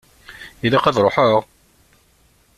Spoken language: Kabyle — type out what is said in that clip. Ilaq ad ṛuḥeɣ?